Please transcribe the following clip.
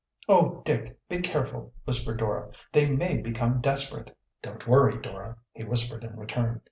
"Oh, Dick, be careful!" whispered Dora. "They may become desperate." "Don't worry, Dora," he whispered in return.